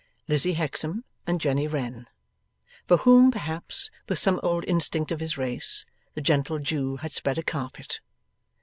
Lizzie Hexam and Jenny Wren. For whom, perhaps with some old instinct of his race, the gentle Jew had spread a carpet.